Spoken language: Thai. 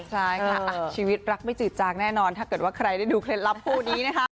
ใช่ค่ะชีวิตรักไม่จืดจางแน่นอนถ้าเกิดว่าใครได้ดูเคล็ดลับคู่นี้นะคะ